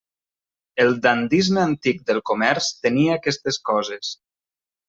El dandisme antic del comerç tenia aquestes coses.